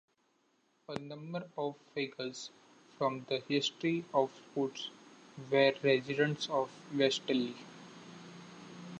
A number of figures from the history of sports were residents of Westerly.